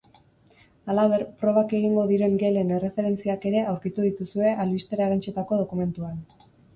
Halaber, probak egingo diren gelen erreferentziak ere aurkitu dituzue albistera erantsitako dokumentuan.